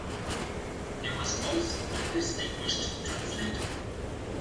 He was also a distinguished translator.